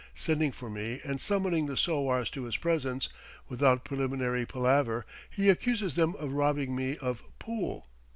Sending for me and summoning the sowars to his presence, without preliminary palaver he accuses them of robbing me of "pool."